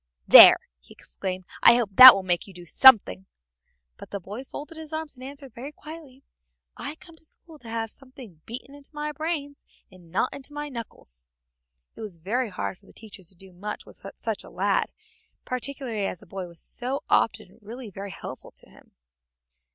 "There!" he exclaimed, "I hope that will make you do something." But the boy folded his arms and answered very quietly, "I came to school to have something beaten into my brains and not into my knuckles." It was very hard for the teacher to do much with such a lad, particularly as the boy was so often really very helpful to him.